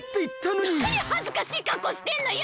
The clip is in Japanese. なにはずかしいかっこうしてんのよ！